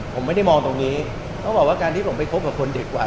ผมไม่ได้มองตรงนี้เขาบอกว่าการที่ผมไปคบกับคนเด็กกว่า